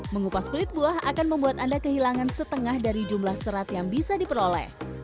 mengupas kulit buah akan membuat anda kehilangan setengah dari jumlah serat yang bisa diperoleh